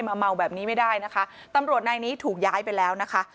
มาเมาแบบนี้ไม่ได้นะคะตำรวจนายนี้ถูกย้ายไปแล้วนะคะ